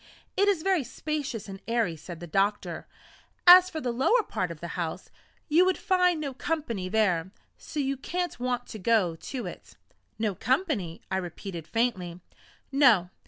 "It is very spacious and airy," said the doctor; "as for the lower part of the house, you would find no company there, so you can't want to go to it." "No company!" I repeated faintly. "No.